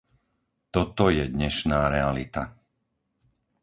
Toto je dnešná realita.